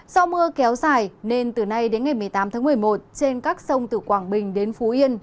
do mưa kéo dài nên từ nay đến ngày một mươi tám tháng một mươi một trên các sông từ quảng bình đến phú yên